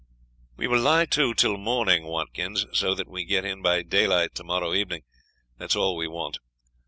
"We will lie to till morning, Watkins. So that we get in by daylight tomorrow evening, that is all we want.